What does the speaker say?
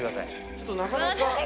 ちょっとなかなか。